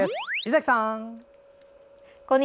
猪崎さん。